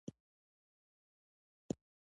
د افغانستان په منظره کې وادي ښکاره ده.